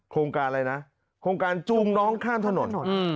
โครงการอะไรนะโครงการจูงน้องข้ามถนน